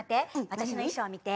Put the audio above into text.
私の衣装見て。